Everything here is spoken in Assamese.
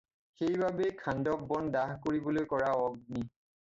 সেইবাবেই খাণ্ডৱ বন দাহ কৰিবলৈ কৰা অগ্নি।